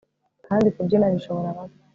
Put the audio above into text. Kandi kubyina bishobora bake